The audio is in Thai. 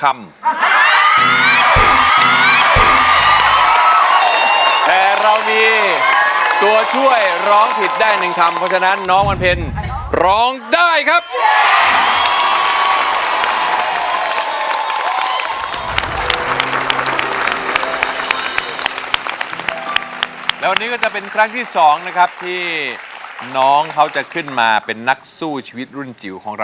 ไม่ต้องดำมองโอกาสท้อง